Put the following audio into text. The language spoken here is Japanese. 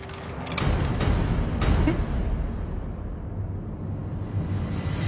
えっ？